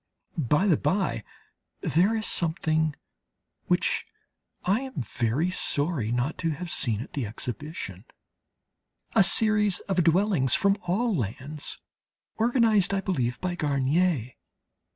By the bye, there is something which I am very sorry not to have seen at the exhibition a series of dwellings from all lands, organized I believe by Garnier.